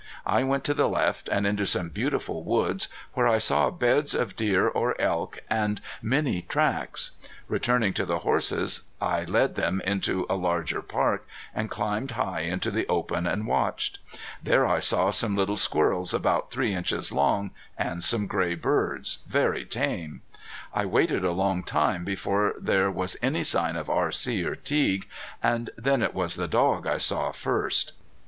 I went to the left, and into some beautiful woods, where I saw beds of deer or elk, and many tracks. Returning to the horses, I led them into a larger park, and climbed high into the open and watched. There I saw some little squirrels about three inches long, and some gray birds, very tame. I waited a long time before there was any sign of R.C. or Teague, and then it was the dog I saw first.